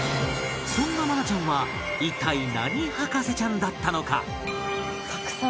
そんな愛菜ちゃんは一体何博士ちゃんだったのか？